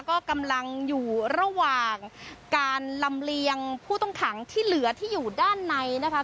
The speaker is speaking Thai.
ก็กำลังอยู่ระหว่างการลำเลียงผู้ต้องขังที่เหลือที่อยู่ด้านในนะคะ